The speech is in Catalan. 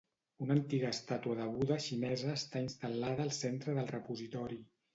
Una antiga estàtua de Buddha xinesa està instal·lada al centre del repositori.